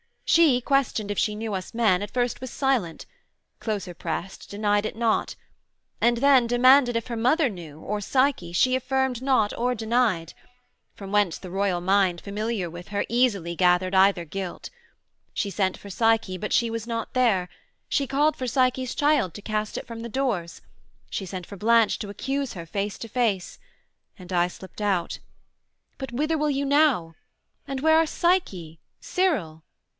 She, questioned if she knew us men, at first Was silent; closer prest, denied it not: And then, demanded if her mother knew, Or Psyche, she affirmed not, or denied: From whence the Royal mind, familiar with her, Easily gathered either guilt. She sent For Psyche, but she was not there; she called For Psyche's child to cast it from the doors; She sent for Blanche to accuse her face to face; And I slipt out: but whither will you now? And where are Psyche, Cyril?